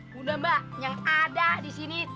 bunda mbak yang ada disini